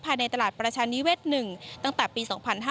ภายในตลาดประชานิเวศ๑ตั้งแต่ปี๒๕๕๙